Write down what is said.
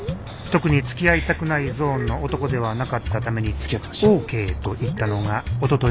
特につきあいたくないゾーンの男ではなかったためにオーケーと言ったのがおとといのこと